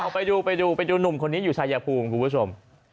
ไปดูหนุ่มคนนี้อยู่ทรายยากภูมิคุณผู้ชม